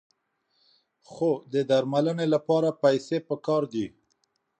خو د درملنې لپاره پیسې پکار دي.